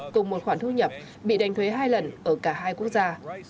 cùng một khoản thu nhập bị đánh thuế hai lần ở cả hai quốc gia